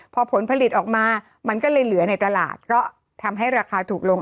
พอผลผลิตออกมามันก็เลยเหลือในตลาดก็ทำให้ราคาถูกลง